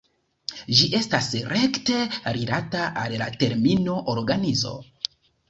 Ĝi estas rekte rilata al la termino "organizo".